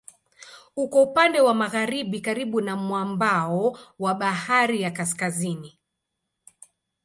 Uko upande wa magharibi karibu na mwambao wa Bahari ya Kaskazini.